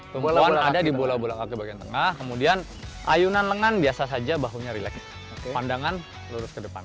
tumpuan ada di bola bola kaki bagian tengah kemudian ayunan lengan biasa saja bahunya rileks pandangan lurus ke depan